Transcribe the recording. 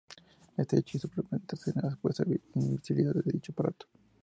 Este hecho hizo replantearse la supuesta invisibilidad de dicho aparato.